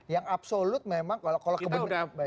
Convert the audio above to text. yang absolut memang kalau kebenaran